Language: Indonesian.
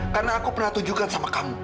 karena aku pernah tunjukkan sama kamu